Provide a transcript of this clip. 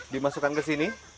dimasukkan ke sini